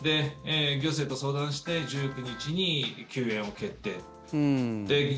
行政と相談して１９日に休園を決定と。